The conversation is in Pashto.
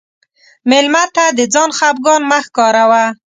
مېلمه ته د ځان خفګان مه ښکاروه.